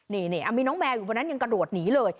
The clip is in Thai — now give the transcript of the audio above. นี่มีน้องแมวอยู่บนนั้นยังกระโดดหนีเลย